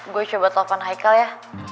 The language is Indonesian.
gue coba telepon haikal ya